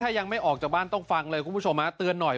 ถ้ายังไม่ออกจากบ้านต้องฟังเลยคุณผู้ชมเตือนหน่อย